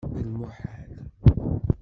D lmuḥal.